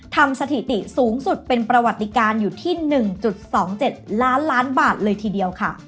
สถิติสูงสุดเป็นประวัติการอยู่ที่๑๒๗ล้านล้านบาทเลยทีเดียวค่ะ